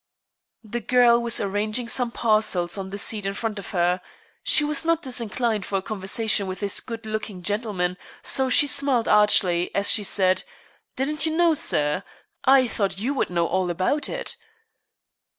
The girl was arranging some parcels on the seat in front of her. She was not disinclined for a conversation with this good looking gentleman, so she smiled archly, as she said: "Didn't you know, sir? I thought you would know all about it."